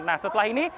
nah setelah ini